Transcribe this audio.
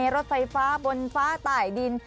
รถไฟฟ้าบนฟ้าตายดิน